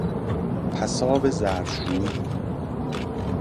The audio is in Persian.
پساب ظرفشوئی